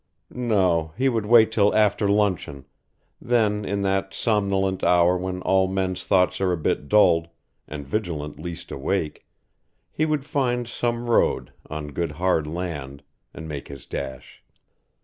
No, he would wait till after luncheon, then in that somnolent hour when all men's thoughts are a bit dulled, and vigilance least awake, he would find some road, on good hard land, and make his dash.